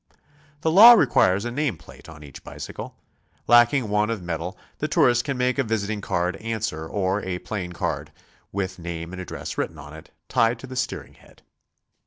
The law requires a name plate on each bicycle. Lacking one of metal, the tourist can make a visiting cafrd answer, or a plain card with name and address written cm it, tied to the steering head.